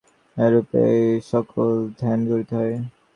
এইরূপে এই সকল ধ্যান করিতে হয়।